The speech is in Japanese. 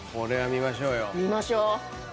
見ましょう。